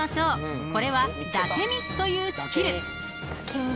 ［これは「だけ見」というスキル］